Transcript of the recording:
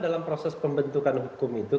dalam proses pembentukan hukum itu